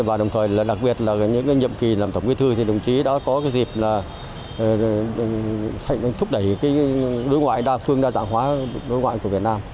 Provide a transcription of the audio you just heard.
và đồng thời đặc biệt là những nhậm kỳ làm thẩm quyết thư thì đồng chí đã có dịp thúc đẩy đối ngoại đa phương đa dạng hóa đối ngoại của việt nam